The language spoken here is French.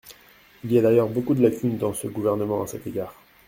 Il y a d’ailleurs beaucoup de lacunes dans ce Gouvernement à cet égard.